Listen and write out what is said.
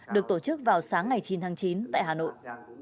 được tổ chức vào sáng ngày chín tháng chín tại hà nội